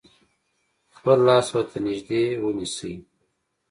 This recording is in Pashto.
خپل لاس ورته نژدې ونیسئ.